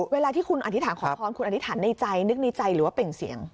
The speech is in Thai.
เวลาที่คุณอธิษฐานขอพรคุณอธิษฐานในใจนึกในใจหรือว่าเปล่งเสียง